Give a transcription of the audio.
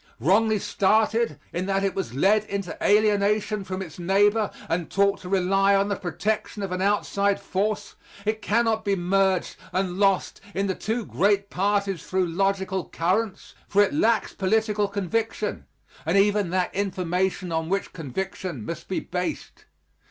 Wrongly started, in that it was led into alienation from its neighbor and taught to rely on the protection of an outside force, it cannot be merged and lost in the two great parties through logical currents, for it lacks political conviction and even that information on which conviction must be based.